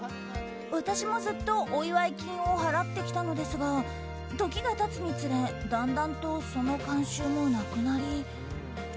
私もずっとお祝い金を払ってきたのですが時が経つにつれ、だんだんとその慣習もなくなり。